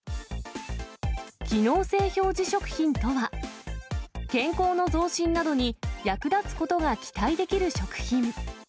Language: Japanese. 機能性表示食品とは、健康の増進などに役立つことが期待できる食品。